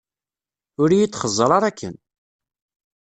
Ur yi-d-xeẓẓer ara akken.